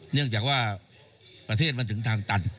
เนื่องจากว่าประเทศมันถึงทางตัน